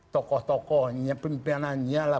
tokoh tokohnya penampilanannya lah